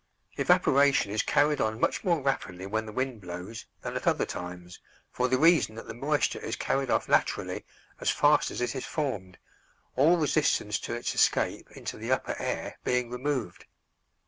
Evaporation is carried on much more rapidly when the wind blows than at other times, for the reason that the moisture is carried off laterally as fast as it is formed, all resistance to its escape into the upper air being removed.